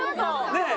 ねえ。